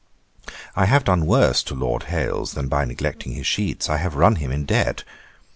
'I have done worse to Lord Hailes than by neglecting his sheets: I have run him in debt.